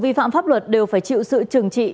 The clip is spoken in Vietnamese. vi phạm pháp luật đều phải chịu sự trừng trị